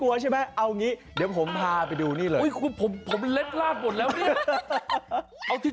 สวัสดีครับนี่โอ้โหมาพร้อมกับสัตว์มากมายเลยนี่